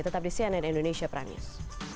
tetap di cnn indonesia prime news